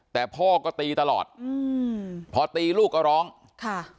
แต่พ่อก็ตีตลอดอืมพอตีลูกก็ร้องค่ะ